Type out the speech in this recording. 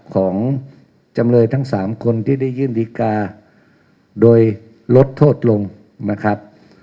ของจำเลยทั้งสามคนที่ได้ยื่นดีกาโดยลดโทษลงนะครับ